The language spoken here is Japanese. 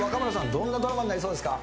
どんなドラマになりそうですか？